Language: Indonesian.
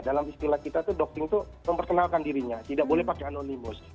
dalam istilah kita itu doxing itu memperkenalkan dirinya tidak boleh pakai anonimus